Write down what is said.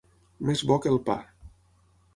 Més bo que el pa.